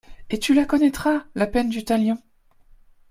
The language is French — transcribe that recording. Et tu la connaîtras, la peine du talion !